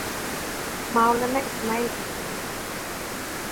Maulana Ismail Hossain.